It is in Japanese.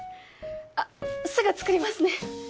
あっすぐ作りますね。